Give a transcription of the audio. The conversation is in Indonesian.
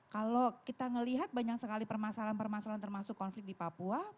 kalau kita melihat banyak sekali permasalahan permasalahan termasuk konflik di papua